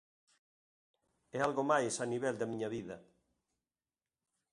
É algo máis a nivel da miña vida.